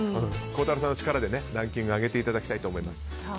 孝太郎さんの力でランキングを上げていただきたいと思います。